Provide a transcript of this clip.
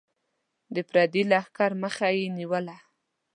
د پردي لښکر مخه یې ونیوله.